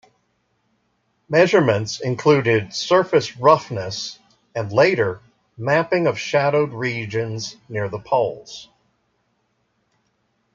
Measurements included surface roughness and later mapping of shadowed regions near the poles.